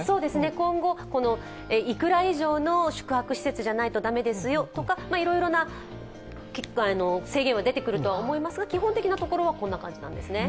今後、いくら以上の宿泊施設じゃなきゃ駄目ですよとか、いろいろな制限は出てくるとは思いますが基本的なところはこんな感じなんです。